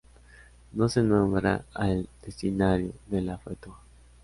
No se nombra al destinatario de la fetua.